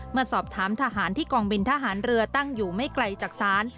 เมื่อสอบถามทหารที่กองบินทหารเรือตั้งอยู่ไม่ไกลจากศาล